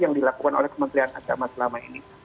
yang dilakukan oleh kementerian agama selama ini